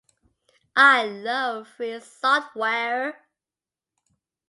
I love free Software.